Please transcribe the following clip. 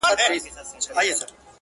و مُلا ته، و پاچا ته او سره یې تر غلامه.